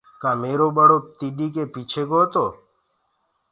ڪآ ميرو ٻڙو تيڏ ڪي پيڇي گو۔